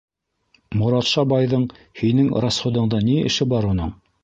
— Моратша байҙың һинең расходыңда ни эше бар уның?